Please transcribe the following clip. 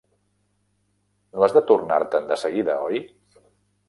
No has de tornar-te'n de seguida, oi?